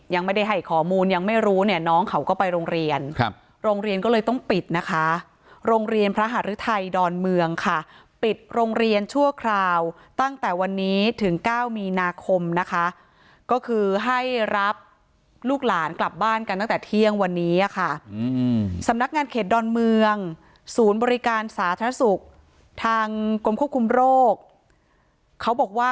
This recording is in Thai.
คุณปกปิดการให้ข้อมูลตั้งแต่วันแรกคุณปกปิดการให้ข้อมูลตั้งแต่วันแรกคุณปกปิดการให้ข้อมูลตั้งแต่วันแรกคุณปกปิดการให้ข้อมูลตั้งแต่วันแรกคุณปกปิดการให้ข้อมูลตั้งแต่วันแรกคุณปกปิดการให้ข้อมูลตั้งแต่วันแรกคุณปกปิดการให้ข้อมูลตั้งแต่วันแรกคุณปกปิดการให